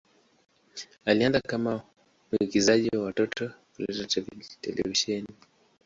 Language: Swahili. Alianza kama mwigizaji wa watoto katika televisheni.